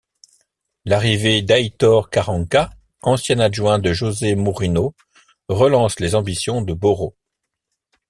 L'arrivée d'Aitor Karanka, ancien adjoint de José Mourinho relance les ambitions de Boro.